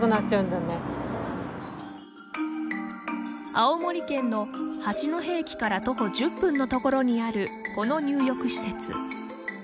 青森県の八戸駅から徒歩１０分の所にあるこの入浴施設。